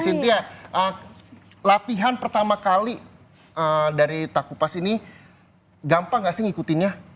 cynthia latihan pertama kali dari taku pas ini gampang gak sih ngikutinnya